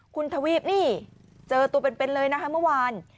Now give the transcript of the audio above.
คุณทวีปนี่เจอตัวเป็นเลยนะคะเมื่อวาน